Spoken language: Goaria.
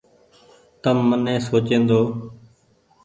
تم ني سوچيئن ۮئو۔